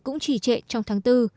cũng trì trệ trong tháng bốn